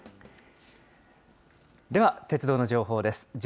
では鉄道の情報です。